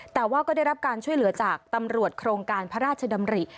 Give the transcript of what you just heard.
แต่ว่าก็ได้รับการช่วยเหลือจากตำรวจโครงการพระราชดำริ